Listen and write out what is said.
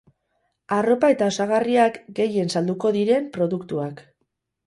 Arropa eta osagarriak, gehien salduko dien produktuak.